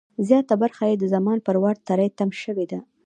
زیاته برخه یې د زمان پر واټ تری تم شوې ده.